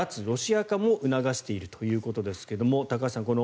ロシア化も促しているということですが高橋さん